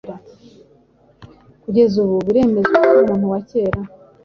Kugeza ubu biremezwa ko umuntu wa kera